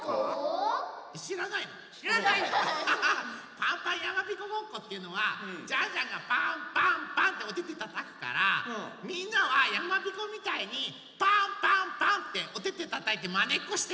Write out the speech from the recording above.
パンパンやまびこごっこっていうのはジャンジャンがパンパンパンっておててたたくからみんなはやまびこみたいにパンパンパンっておててたたいてまねっこして。